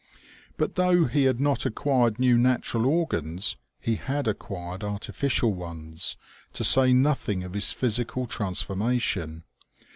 But though he had not acquired new natural organs, he had acquired artificial ones, to say nothing of his physical transformation.